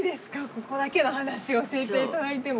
ここだけの話教えていただいても。